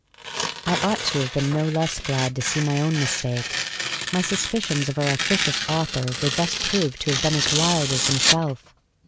I ought to have been no less glad to see my own mistake. My suspicions of our officious author were thus proved to have been as wild as himself.